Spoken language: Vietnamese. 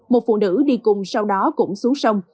một phụ nữ đi cùng sau đó cũng xuống sông